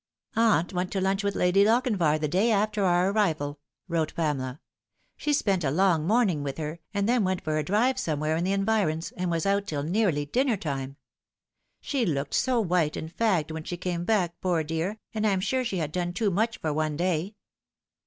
" Aunt went to lunch with Lady Lochinvar the day after our arrival," wrote Pamela. " She spent a long morning with her, and then went for a drive somewhere in the environs, and was out till nearly dinner tune. She looked so white and fagged when she came back, poor dear, and I am sure she had done too much for one day.